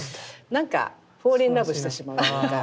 なんかフォーリンラブしてしまうというか。